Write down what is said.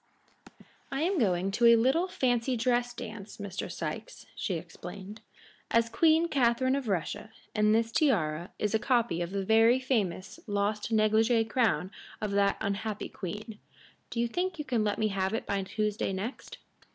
"I am going to a little fancy dress dance, Mr. Sikes," she explained, "as Queen Catharine of Russia, and this tiara is a copy of the very famous lost negligée crown of that unhappy queen. Do you think you can let me have it by Tuesday next?"